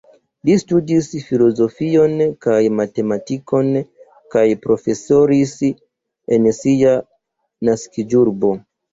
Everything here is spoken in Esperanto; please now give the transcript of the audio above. Li studis filozofion kaj matematikon kaj profesoris en sia naskiĝurbo.